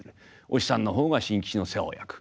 お師匠さんの方が新吉の世話を焼く。